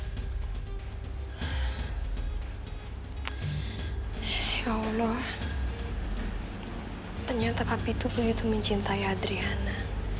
ya allah ternyata papi tuh begitu mencintai adriana